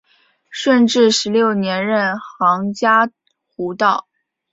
顺治十六年任杭嘉湖道。